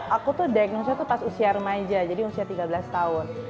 aku tuh diagnosnya pas usia remaja jadi usia tiga belas tahun